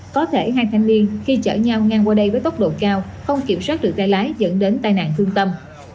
có thể hai thanh niên khi chở nhau ngang qua đây với tốc độ cao không kiểm soát được tay lái dẫn đến tai nạn thương tâm